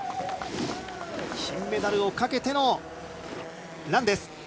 金メダルをかけてのランです。